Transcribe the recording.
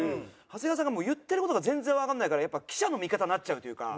長谷川さんがもう言ってる事が全然わかんないからやっぱり記者の味方になっちゃうというか。